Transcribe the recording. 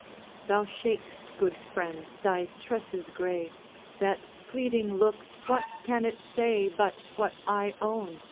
'Thou shak'st, good friend, thy tresses gray, That pleading look, what can it say But what I own?